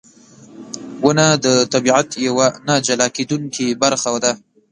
• ونه د طبیعت یوه نه جلا کېدونکې برخه ده.